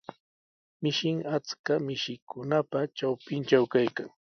Mishin achka mishikunapa trawpintraw kaykan.